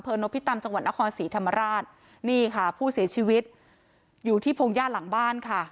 นพิตำจังหวัดนครศรีธรรมราชนี่ค่ะผู้เสียชีวิตอยู่ที่พงหญ้าหลังบ้านค่ะ